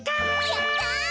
やった！